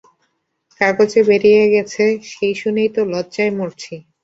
কাগজে বেরিয়ে গেছে সেই শুনেই তো লজ্জায় মরছি।